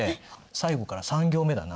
最後から３行目だな。